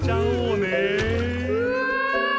うわ！！